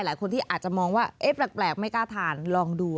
หลายคนที่อาจจะมองว่าแปลกไม่กล้าทานลองดู